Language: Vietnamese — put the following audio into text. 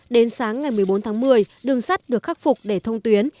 đến sáng ngày một mươi bốn tháng một mươi đường sắt được khắc phục để thông tuyến